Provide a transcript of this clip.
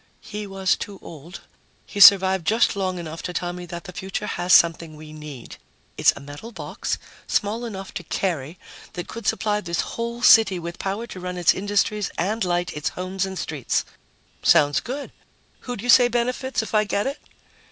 "He was too old. He survived just long enough to tell me that the future has something we need. It's a metal box, small enough to carry, that could supply this whole city with power to run its industries and light its homes and streets!" "Sounds good. Who'd you say benefits if I get it?"